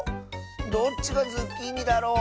どっちがズッキーニだろ？